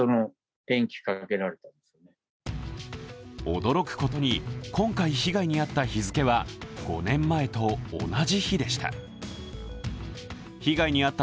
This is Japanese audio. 驚くことに、今回被害に遭った日付は５年前と同じ日でした。